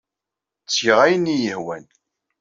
Ttgeɣ ayen ay iyi-yehwan.